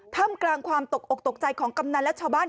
ท่ามกลางความตกอกตกใจของกำนันและชาวบ้าน